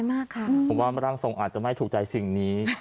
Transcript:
ผมว่ามารังทรงอาจจะไม่ถูกใจสิ่งนี้